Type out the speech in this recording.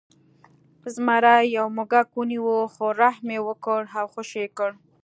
زمري یو موږک ونیو خو رحم یې وکړ او خوشې یې کړ.